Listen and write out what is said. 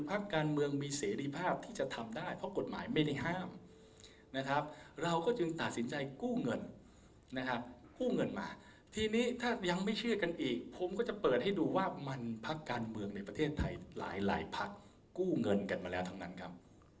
พักการเมืองมีเสรีภาพที่จะทำได้เพราะกฎหมายไม่ได้ห้ามนะครับเราก็จึงตัดสินใจกู้เงินนะครับกู้เงินมาทีนี้ถ้ายังไม่เชื่อกันอีกผมก็จะเปิดให้ดูว่ามันพักการเมืองในประเทศไทยหลายหลายพักกู้เงินกันมาแล้วทั้งนั้นครับ